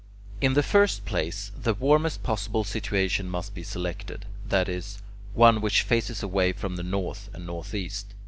In the first place, the warmest possible situation must be selected; that is, one which faces away from the north and northeast.